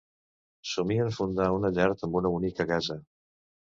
Somien fundar una llar en una bonica casa.